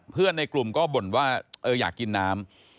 เพื่อนในกลุ่มก็บ่นว่าเอออยากกินน้ำ